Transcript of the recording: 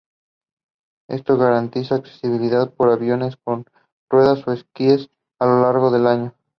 Esto garantiza accesibilidad por aviones con ruedas o esquíes a lo largo del año.